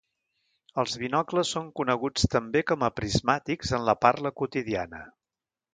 Els binocles són coneguts també com a prismàtics en la parla quotidiana.